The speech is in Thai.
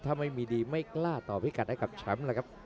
ถ้าไม่มีดีไม่กล้าต่อพิกัดให้กับแชมป์แล้วครับ